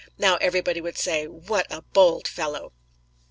Now everybody would say, "What a bold fellow!"